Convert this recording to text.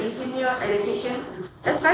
lanjutkan pendidikan terutama